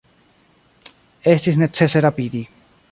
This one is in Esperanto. Estis necese rapidi.